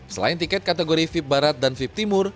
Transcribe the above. selain tiket kategori vip barat dan fit timur